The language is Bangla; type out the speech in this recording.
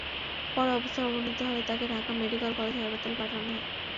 পরে অবস্থার অবনতি হলে তাঁকে ঢাকা মেডিকেল কলেজ হাসপাতালে পাঠানো হয়।